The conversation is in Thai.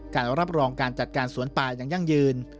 การรับรองการจัดการสวนป่ายังยั่งยืน